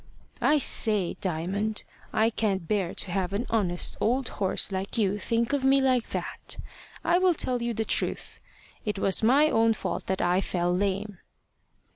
"I say, Diamond, I can't bear to have an honest old horse like you think of me like that. I will tell you the truth: it was my own fault that I fell lame."